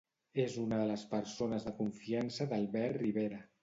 És una de les persones de confiança d'Albert Rivera.